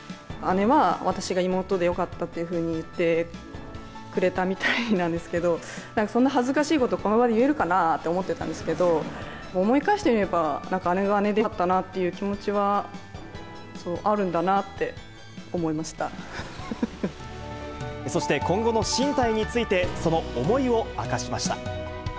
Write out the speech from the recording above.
姉は、私が妹でよかったっていうふうに言ってくれたみたいなんですけど、そんな恥ずかしいこと、この場で言えるかなと思ってたんですけど、思い返してみれば、やっぱ姉が姉でよかったなという気持ちはあるんだなって思いましそして、今後の進退について、その思いを明かしました。